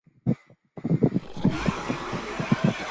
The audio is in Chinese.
藤原芳秀出身。